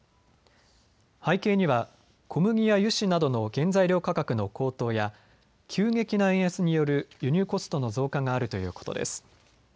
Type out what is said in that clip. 背景には小麦や油脂などの原材料価格の高騰や急激な円安による輸入コストの増加があるということです。